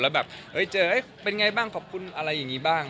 แล้วแบบเจอเป็นไงบ้างขอบคุณอะไรอย่างนี้บ้าง